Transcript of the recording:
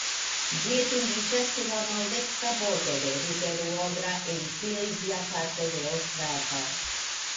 Ĝi etendiĝas sur la maldekstra bordo de rivero Odra en silezia parto de Ostrava.